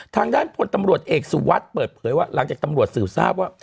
ทางด้านพลตำรวจเอกสุวัสดิ์เปิดเผยว่าหลังจากตำรวจสืบทราบว่า